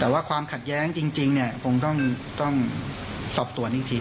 แต่ว่าความขัดแย้งจริงเนี่ยคงต้องสอบสวนอีกที